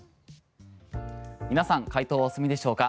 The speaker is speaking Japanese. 皆さん回答はお済みでしょうか。